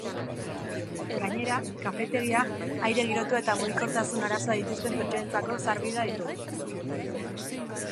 Gainera, kafetegia, aire girotua eta mugikortasun arazoak dituzten pertsonentzako sarbidea ditu.